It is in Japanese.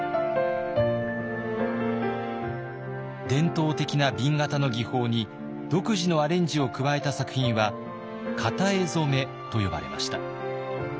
伝統的な紅型の技法に独自のアレンジを加えた作品は型絵染と呼ばれました。